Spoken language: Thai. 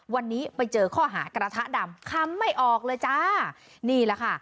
วันนี้ไปเจอข้อหากระทะดำคำไม่ออกเลยจ้านี่แหละค่ะ